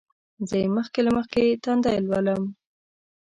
زه یې مخکې له مخکې تندی لولم.